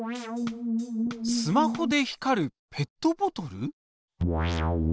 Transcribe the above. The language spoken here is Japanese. スマホで光るペットボトル？